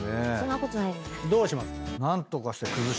どうしますか？